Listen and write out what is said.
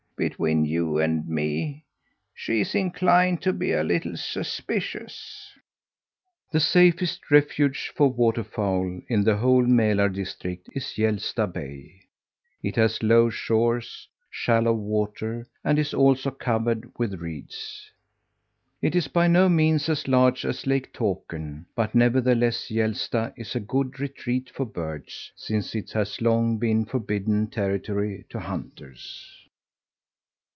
Between you and me, she's inclined to be a little suspicious." The safest refuge for water fowl in the whole Mälar district is Hjälsta Bay. It has low shores, shallow water and is also covered with reeds. It is by no means as large as Lake Tåkern, but nevertheless Hjälsta is a good retreat for birds, since it has long been forbidden territory to hunters.